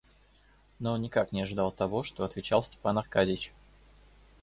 Но он никак не ожидал того, что отвечал Степан Аркадьич.